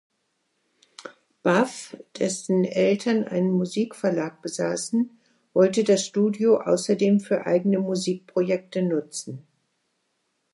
Buff, dessen Eltern einen Musikverlag besaßen, wollte das Studio außerdem für eigene Musikprojekte nutzen.